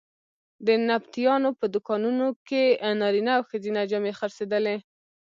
د نبطیانو په دوکانونو کې نارینه او ښځینه جامې خرڅېدلې.